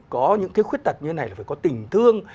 có những cái khuyết tật như thế này là phải có tình thương